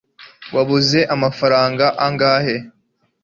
wabuze amafaranga angahe